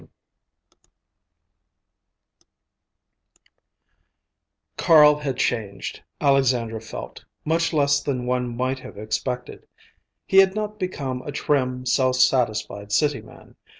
IV Carl had changed, Alexandra felt, much less than one might have expected. He had not become a trim, self satisfied city man.